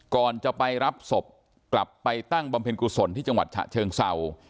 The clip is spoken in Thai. ก่อนจะไปรับศพกลับไปตั้งบำเพ็ญกุศลที่จังหวัดฉะเชิงเศร้า